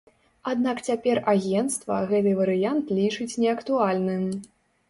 Аднак цяпер агенцтва гэты варыянт лічыць неактуальным.